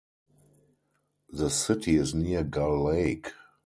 The city is near Gull Lake.